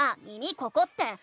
「耳ここ⁉」って。